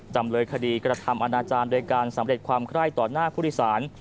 จำเลยคดีกระทำอนาจารย์โดยการสำเร็จความไคร้ต่อหน้าผู้โดยสาร